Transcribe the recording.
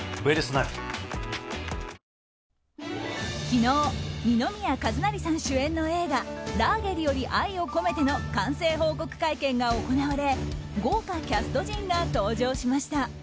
昨日、二宮和也さん主演の映画「ラーゲリより愛を込めて」の完成報告会見が行われ豪華キャスト陣が登場しました。